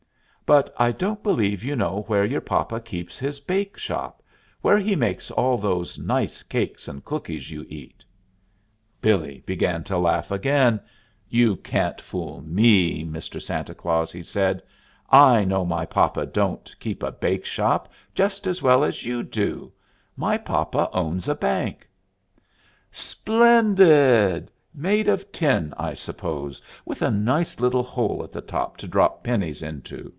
But I don't believe you know where your papa keeps his bake shop, where he makes all those nice cakes and cookies you eat." Billee began to laugh again. "You can't fool me, Mr. Santa Claus," he said. "I know my papa don't keep a bake shop just as well as you do. My papa owns a bank." "Splendid! Made of tin, I suppose, with a nice little hole at the top to drop pennies into?"